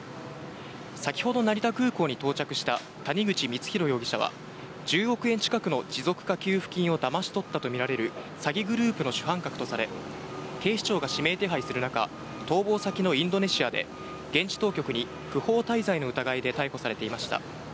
先ほど成田空港に到着した谷口光弘容疑者は、１０億円近くの持続化給付金をだまし取ったと見られる詐欺グループの主犯格とされ、警視庁が指名手配する中、逃亡先のインドネシアで、現地当局に不法滞在の疑いで逮捕されていました。